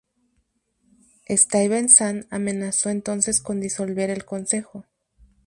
Stuyvesant amenazó entonces con disolver el consejo.